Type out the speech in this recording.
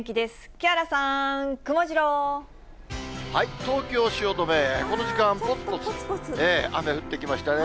木原さん、東京・汐留、この時間、ぽつぽつ雨降ってきましたね。